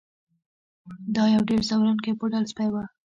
دا یو ډیر ځورونکی پوډل سپی و